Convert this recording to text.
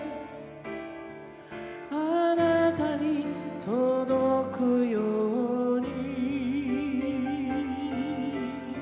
「あなたに届くように」